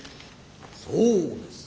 そうです。